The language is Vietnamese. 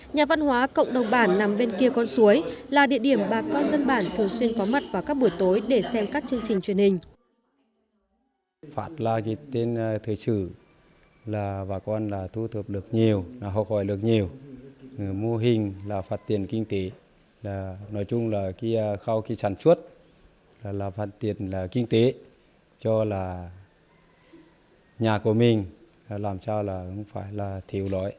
nhà văn hóa cộng đồng bản nằm bên kia con suối là địa điểm bà con dân bản thường xuyên có mặt vào các buổi tối để xem các chương trình truyền hình